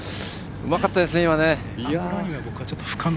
うまかったですね、今の。